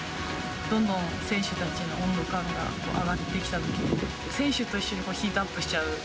どんどん選手たちの温度感が上がってきたときに、選手と一緒にヒートアップしちゃう。